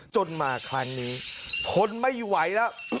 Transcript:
มาครั้งนี้ทนไม่ไหวแล้ว